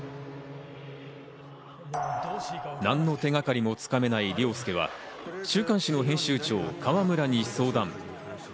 何の手がかりも掴めない凌介は週刊誌の編集長・河村に相談。